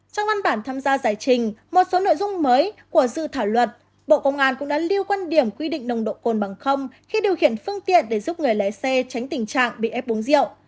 trong văn bản tham gia giải trình một số nội dung mới của dự thảo luật bộ công an cũng đã lưu quan điểm quy định nồng độ cồn bằng không khi điều khiển phương tiện để giúp người lái xe tránh tình trạng bị ép uống rượu